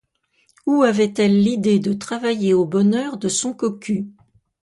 Où avait-elle l'idée de travailler au bonheur de son cocu?